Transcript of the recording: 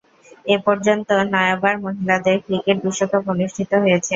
এ পর্যন্ত নয়বার মহিলাদের ক্রিকেট বিশ্বকাপ অনুষ্ঠিত হয়েছে।